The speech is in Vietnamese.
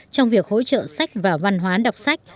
trong việc hỗ trợ sách và văn hóa đọc sách